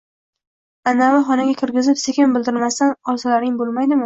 Ana-vi xonaga kirgizib, sekin bildirmasdan olsalaring bo`lmaydimi